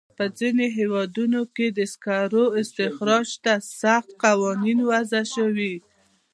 په ځینو هېوادونو کې د سکرو استخراج ته سخت قوانین وضع شوي.